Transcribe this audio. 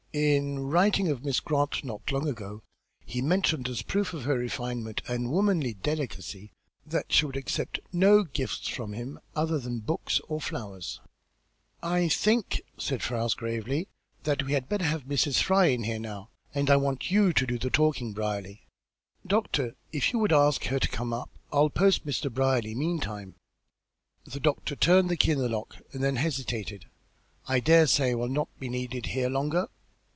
In writing of Miss Grant not long ago he mentioned as a proof of her refinement and womanly delicacy that she would accept no gifts from him other than books or flowers." "I think," said Ferrars, gravely, "that we had better have Mrs. Fry in here now, and I want you to do the talking, Brierly. Doctor, if you would ask her to come up, I'll post Mr. Brierly, meantime." The doctor turned the key in the lock and then hesitated. "I dare say I will not be needed here longer?"